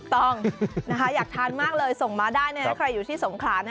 ต้องอยากทานมากเลยส่งมาได้ใครอยู่ที่สงขลา